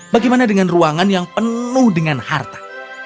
bagaimana dengan ruangan yang penuh dengan harta